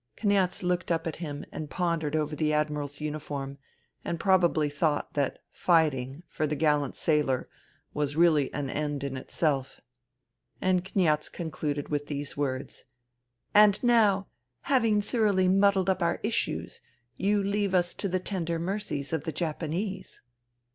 Kniaz looked up at him and pondered over the Admiral's uniform and probably thought that fighting, for the gallant sailor, was really an end in itself. And Kniaz concluded with the words :" And now having thoroughly muddled up our issues, you leave us to the tender mercies of the Japanese."